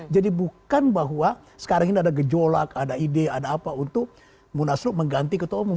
jadi bukan bahwa sekarang ini ada gejolak ada ide ada apa untuk munaslup mengganti ketua umum